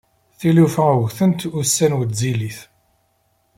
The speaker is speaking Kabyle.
Tilufa ggtent, ussan wezzilit.